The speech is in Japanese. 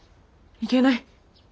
いけない。